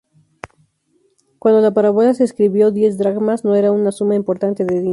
Cuando la parábola se escribió, diez dracmas no era una suma importante de dinero.